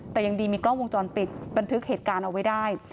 แต่ยังดีมีกล้องวงจรปิดบันทึกเหตุการณ์เอาไว้ได้